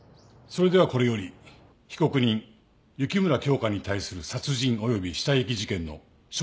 それではこれより被告人雪村京花に対する殺人および死体遺棄事件の証人尋問を始めます。